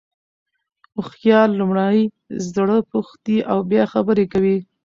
هوښیار لومړی زړه پوښتي او بیا خبري کوي.